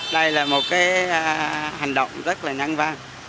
đây là một hành động rất là năng vang